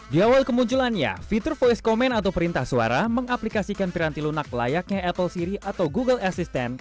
di awal kemunculannya fitur voice command atau perintah suara mengaplikasikan piranti lunak layaknya apple siri atau google assistant